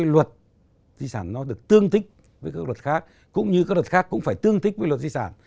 luật di sản nó được tương thích với các luật khác cũng như các luật khác cũng phải tương thích với luật di sản